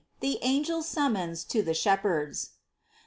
THE ANGELS' SUMMONS TO THE SHEPHERDS.